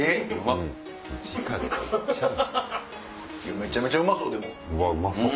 めちゃめちゃうまそう！